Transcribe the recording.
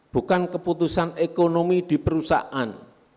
bukan keputusan ekonomi di perusahaan